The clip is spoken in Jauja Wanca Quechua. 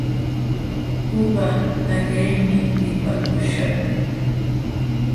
Uqa allaqmi lipaakuśhaq.